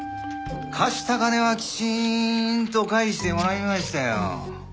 貸した金はきちんと返してもらいましたよ。